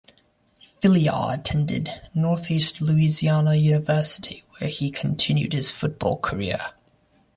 Philyaw attended Northeast Louisiana University, where he continued his football career.